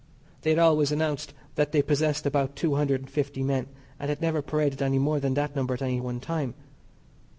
They had always announced that they possessed about two hundred and fifty men, and had never paraded any more than that number at any one time.